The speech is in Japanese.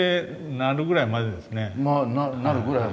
なるぐらいまで。